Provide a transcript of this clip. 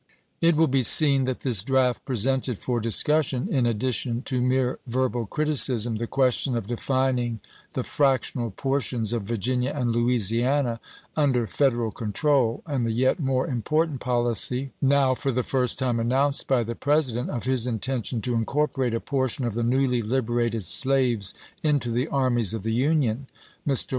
ms. It will be seen that this draft presented for dis cussion, in addition to mere verbal criticism, the question of defining the fractional portions of Vir ginia and Louisiana under Federal control and the yet more important policy, now for the fii'st time announced by the President, of his intention to incorporate a portion of the newly liberated slaves into the armies of the Union. Mr.